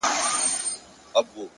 د پوهې خزانه نه کمېږي.!